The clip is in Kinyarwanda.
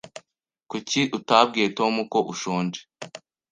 Kuki utabwiye Tom ko ushonje?